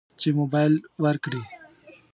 چې موبایل ورکړي.